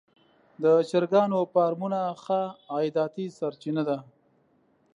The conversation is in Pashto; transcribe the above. د چرګانو فارمونه ښه عایداتي سرچینه ده.